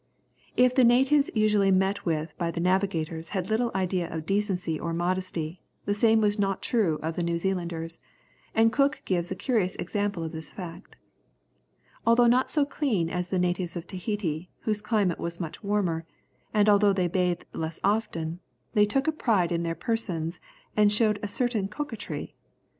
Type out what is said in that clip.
If the natives usually met with by the navigators had little idea of decency or modesty, the same was not true of the New Zealanders, and Cook gives a curious example of this fact. Although not so clean as the natives of Tahiti, whose climate is much warmer, and although they bathed less often, they took a pride in their persons, and showed a certain coquetry.